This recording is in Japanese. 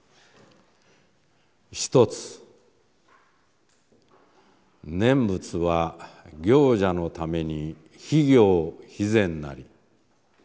「一つ念仏は行者のために非行・非善なり。